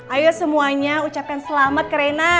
ayo semuanya ucapkan selamat ke rena